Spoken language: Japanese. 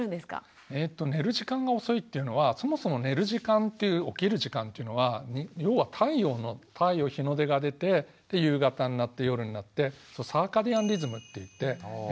寝る時間が遅いっていうのはそもそも寝る時間という起きる時間というのは要は太陽の太陽日の出が出てで夕方になって夜になってサーカディアンリズムっていって。